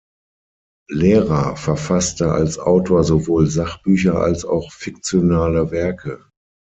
Lehrer verfasste als Autor sowohl Sachbücher als auch fiktionale Werke.